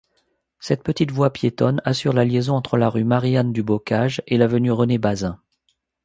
Cette petite voie piétonne assure la liaison entre la rue Marie-Anne-du-Boccage et l'avenue René-Bazin.